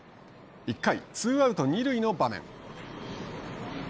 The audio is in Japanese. １回、ツーアウト、二塁の場面。